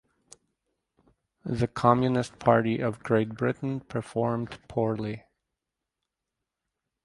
The Communist Party of Great Britain performed poorly.